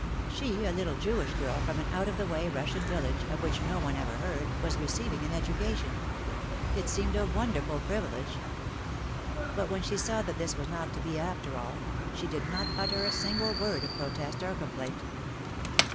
She, a little Jewish girl from an out of the way Russian village of which no one OUT OF THE SHADOW 195 ever heard, was receiving an education! It seemed a wonderful privilege. But when she saw that this was not to be after all, she did not utter a single word of protest or complaint.